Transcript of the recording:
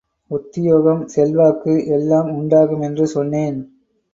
உத்தியோகம் செல்வாக்கு எல்லாம் உண்டாகும் என்று சொன்னேன்.